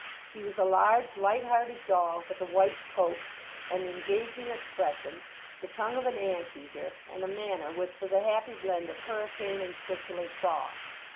He was a large, light hearted dog with a white coat, an engaging expression, the tongue of an ant eater, and a manner which was a happy blend of hurricane and circular saw.